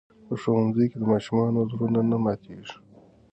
په ښوونځي کې د ماشومانو زړونه نه ماتېږي.